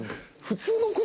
普通の靴。